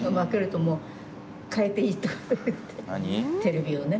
テレビをね。